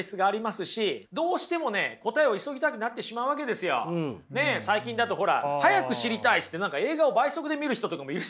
でもね最近だとほら早く知りたいっつって映画を倍速で見る人とかもいるじゃないですか。